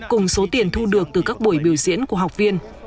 cùng số tiền thu được từ các buổi biểu diễn của học viên